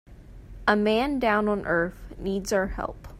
A man down on earth needs our help.